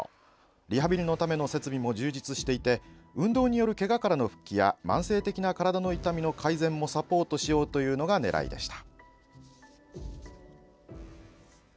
リハビリのための設備も充実していて運動によるけがからの復帰や慢性的な体の痛みの改善もサポートしようというのが狙いでした。